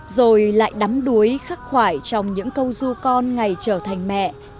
rồi lại đắm đuối khắc khoải trong những câu du con ngày trở thành mẹ